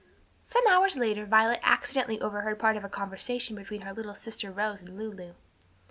Some hours later Violet accidentally overheard part of a conversation between her little sister Rose and Lulu.